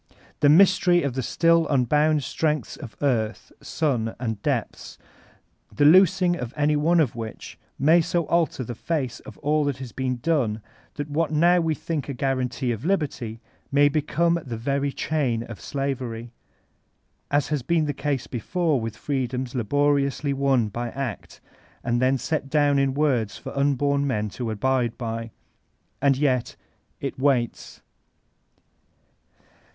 The Mystery of the still unbound strengths of earth, sun, and depths, the loosing of any one of which may so alter the face of all that has been done that what now we think a guarantee of liberty may become the very chain of slavery, as has been the case before mth freedoms laboriously won by act, and then set down in words for unborn men to abide by. And yet — ^It waits.